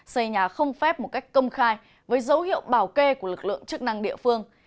xây nhà không phép một cách công khai với dấu hiệu bảo kê của lực lượng chức năng địa phương